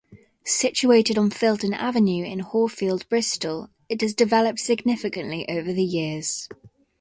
Situated on Filton Avenue in Horfield, Bristol, it has developed significantly over the years.